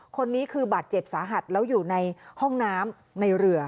คนนี้คือบาดเจ็บสาหัสแล้วอยู่ในห้องน้ำในเรือ